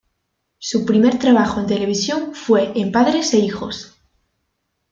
Su primer trabajo en televisión fue en Padres e Hijos.